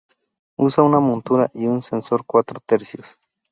Usa una montura y un sensor Cuatro Tercios.